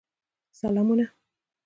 سلامونه.